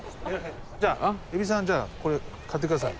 じゃあ蛭子さんじゃあこれ買って下さい。